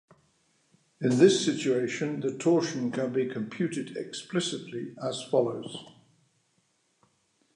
In this situation, the torsion can be computed explicitly as follows.